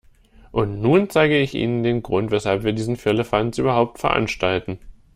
Und nun zeige ich Ihnen den Grund, weshalb wir diesen Firlefanz überhaupt veranstalten.